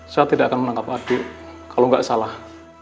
saya tidak akan menangkap adik kalau nggak salah